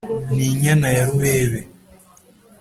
ni inyana ya rubebe